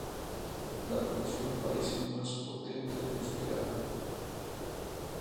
La poción parece más potente de lo esperado.